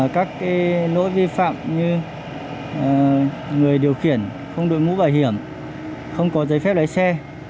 các nỗi vi phạm như người điều khiển không đội ngũ bảo hiểm không có giấy phép lái xe